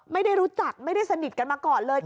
ไม่ได้รู้จักไม่ได้สนิทกันมาก่อนเลย